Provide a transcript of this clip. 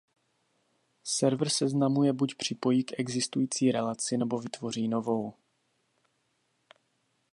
Server seznamu je buď připojí k existující relaci nebo vytvoří novou.